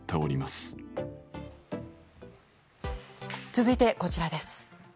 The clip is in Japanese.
続いて、こちらです。